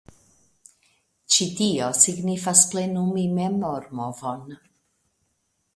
Ĉi tio signifas plenumi memormovon.